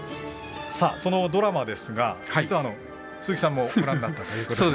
そのドラマですが、実は鈴木さんもご覧になったということで。